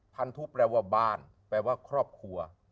พันธุแปลว่าบ้านแปลว่าครอบครัว